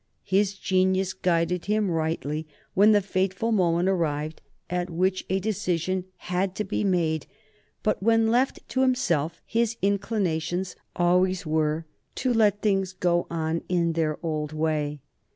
His genius guided him rightly when the fateful moment arrived at which a decision had to be made, but when left to himself his inclinations always were to let things go on in their old way.